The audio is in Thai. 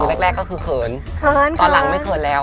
หนูแรกก็คือเขินตอนหลังไม่เขินแล้ว